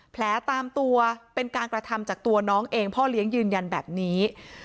ตามตัวเป็นการกระทำจากตัวน้องเองพ่อเลี้ยงยืนยันแบบนี้